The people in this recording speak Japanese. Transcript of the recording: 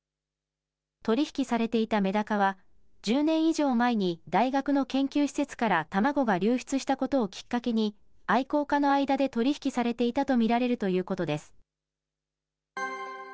取り引きされていたメダカは、１０年以上前に大学の研究施設から卵が流出したことをきっかけに、愛好家の間で取り引きされていたと見られるということです。